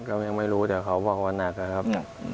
ก็ยังไม่รู้แต่เขาบอกว่าหนักนะครับ